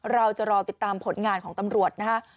เราจะรอติดตามผลงานของตำรวจนะฮะ